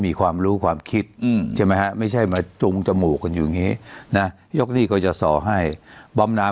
มีความรู้ความคิดอืมใช่ไหมไม่ใช่มาจุงจมูกกันอยู่งี้นะยกนี้ก็จะสอให้บองนาม